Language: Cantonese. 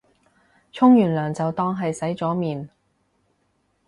沖完涼就當係洗咗面